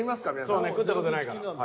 食った事ないから。